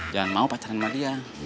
jangan mau pacaran sama dia